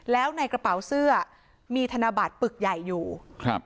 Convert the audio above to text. แล้วในกระเป๋าเสื้อมีธนบัตรปึกใหญ่อยู่ครับ